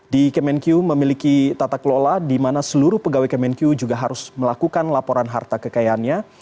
di kemenku memiliki tata kelola di mana seluruh pegawai kemenku juga harus melakukan laporan harta kekayaannya